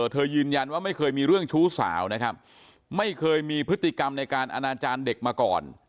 ยืนยันว่าไม่เคยมีเรื่องชู้สาวนะครับไม่เคยมีพฤติกรรมในการอนาจารย์เด็กมาก่อน